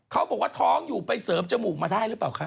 เขาบอกว่าท้องอยู่ไปเสริมจมูกมาได้หรือเปล่าคะ